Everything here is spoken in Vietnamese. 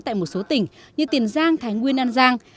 tại một số tỉnh như tiền giang thái nguyên an giang